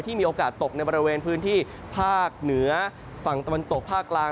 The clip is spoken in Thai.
มีโอกาสตกในบริเวณพื้นที่ภาคเหนือฝั่งตะวันตกภาคกลาง